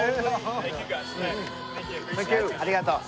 ありがとう。